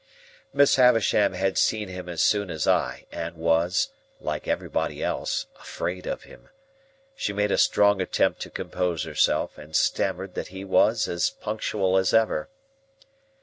Miss Havisham had seen him as soon as I, and was (like everybody else) afraid of him. She made a strong attempt to compose herself, and stammered that he was as punctual as ever.